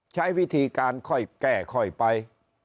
ใช้วิธีการค่อยแก้ค่อยไป